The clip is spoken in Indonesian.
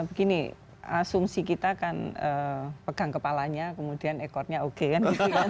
begini asumsi kita kan pegang kepalanya kemudian ekornya oke kan